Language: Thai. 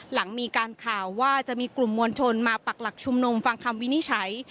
หลังมีการข่าวว่าจะมีกลุ่มมวลชนมาปักหลักชุมนุมฟังคำวินิจฉัย